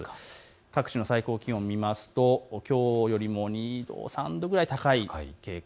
各地の最高気温を見ますときょうよりも２度、３度くらい高いという傾向。